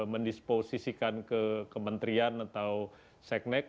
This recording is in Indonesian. mendisposisikan ke kementerian atau seknek